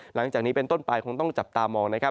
หลังจากนี้เป็นต้นปลายคงต้องจับตามอง